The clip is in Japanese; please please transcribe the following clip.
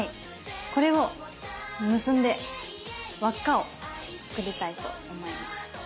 これを結んで輪っかを作りたいと思います。